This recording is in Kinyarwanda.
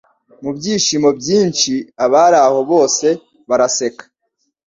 Mu byishimo byinshi abari aho bose baraseka